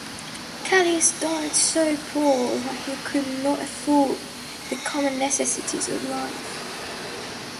Callias died so poor that he could not afford the common necessities of life.